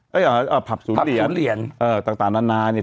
เอ้ยอ่าภาพศูนย์เหรียญภาพศูนย์เหรียญเอ่อต่างต่างนานนานเนี้ย